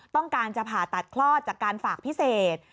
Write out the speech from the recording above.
ต้องการจะผ่าตัดคลอดจากการฝากพิเศษ